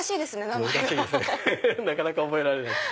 なかなか覚えられないです。